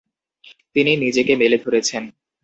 তিনি নিজেকে মেলে ধরেছেন।